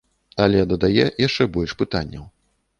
Але дадае яшчэ больш пытанняў.